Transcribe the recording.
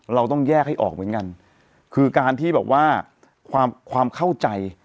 เราต้องแยกให้ออกไว้กันคือการที่บอกว่าความเข้าใจ